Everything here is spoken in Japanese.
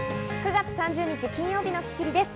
９月３０日、金曜日の『スッキリ』です。